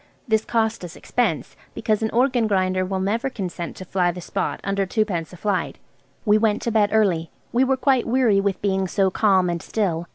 This cost us expense, because an organ grinder will never consent to fly the spot under twopence a flight. We went to bed early. We were quite weary with being so calm and still.